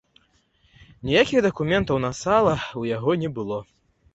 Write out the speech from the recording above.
Ніякіх дакументаў на сала ў яго не было.